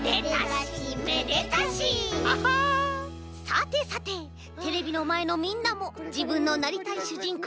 さてさてテレビのまえのみんなもじぶんのなりたいしゅじん